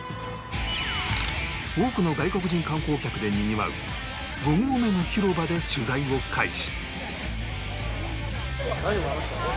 多くの外国人観光客でにぎわう５合目の広場で取材を開始